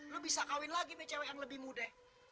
lo bisa kawin lagi nih cewek yang lebih muda